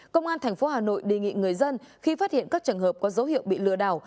công an tp hà nội đề nghị người dân khi phát hiện các trường hợp có dấu hiệu bị lừa đảo